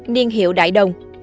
niên hiệu đại đồng